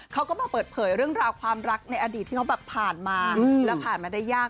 เขาก็มาเปิดเผยเรื่องราวความรักในอดีตที่เขาแบบผ่านมาแล้วผ่านมาได้ยาก